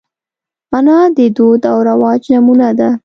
انا د دود او رواج نمونه ده